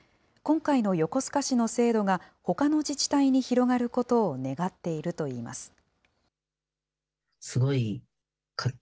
今回の横須賀市の制度がほかの自治体に広がることを願っているといいます。